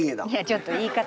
ちょっと言い方。